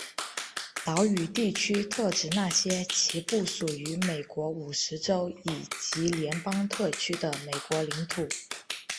岛屿地区特指那些其不属于美国五十州以及联邦特区的美国领土。